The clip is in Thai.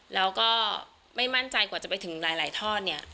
แล้วก็ไม่มั่นใจกว่าจะไปถึงหลายทอดเนี่ย